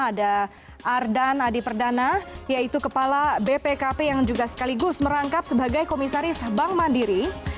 ada ardan adi perdana yaitu kepala bpkp yang juga sekaligus merangkap sebagai komisaris bank mandiri